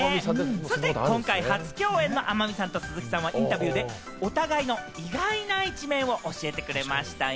そして今回、初共演の天海さんと鈴木さんはインタビューでお互いの意外な一面を教えてくれましたよ。